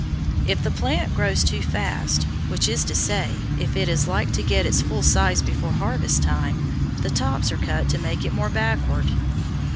If the plant grows too fast, which is to say, if it is like to get its full size before harvest time, the tops are cut to make it more backward.